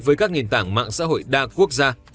với các nền tảng mạng xã hội đa quốc gia